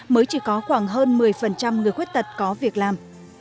mới chỉ có khoảng hơn một mươi người khuyết tật có việc làm